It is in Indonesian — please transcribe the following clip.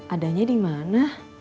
adanya di mana